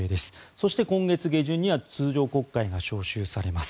そして今月下旬には通常国会が召集されます。